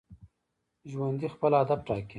ژوندي خپل هدف ټاکي